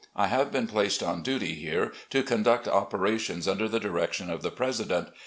I have been placed on duty here to conduct operations under the direction of the President.